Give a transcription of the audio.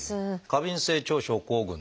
「過敏性腸症候群」。